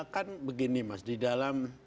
kan begini mas di dalam